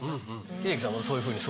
英樹さんもそういうふうに？